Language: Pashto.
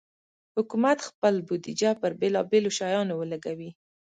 حکومت خپل بودیجه پر بېلابېلو شیانو ولګوي.